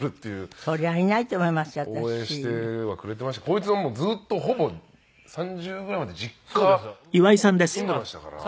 こいつはずっとほぼ３０ぐらいまで実家住んでましたから。